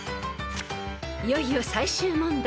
［いよいよ最終問題］